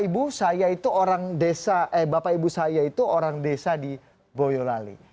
bapak ibu saya itu orang desa di boyolali